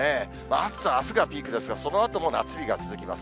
暑さはあすがピークですが、そのあとも夏日が続きます。